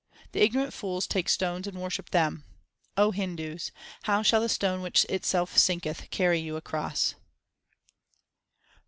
The ignorant fools take stones and worship them. Hindus, how shall the stone which itself sinketh carry you across